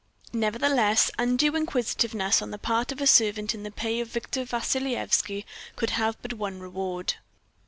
Nevertheless, undue inquisitiveness on the part of a servant in the pay of Victor Vassilyevski could have but one reward.